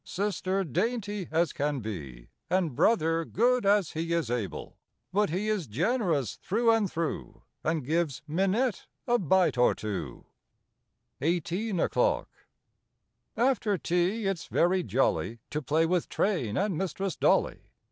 Sister dainty as can be, And Brother good as he is able. But he is generous through and through, And gives Minette a bite or two. 45 SEVENTEEN O'CLOCK 47 EIGHTEEN O'CLOCK 4ETER tea it's very jolly lTL To play with train and Mistress Dolly.